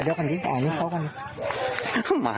เดี๋ยวสะยับไปเลยรถมีรถเราเข้าไป